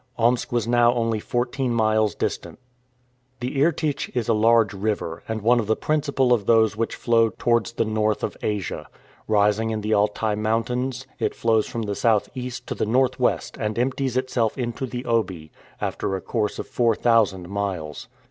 Omsk was now only fourteen miles distant. The Irtych is a large river, and one of the principal of those which flow towards the north of Asia. Rising in the Altai Mountains, it flows from the southeast to the northwest and empties itself into the Obi, after a course of four thousand miles.